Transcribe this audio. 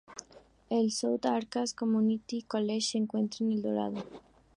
El "South Arkansas Community College" se encuentra en El Dorado.